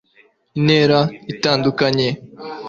intera itandukanye